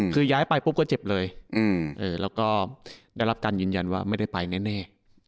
คือย้ายไปปุ๊บก็เจ็บเลยแล้วก็ได้รับการยืนยันว่าไม่ได้ไปแน่